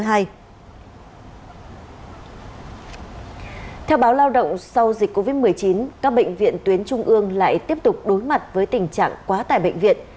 theo báo lao động sau dịch covid một mươi chín các bệnh viện tuyến trung ương lại tiếp tục đối mặt với tình trạng quá tải bệnh viện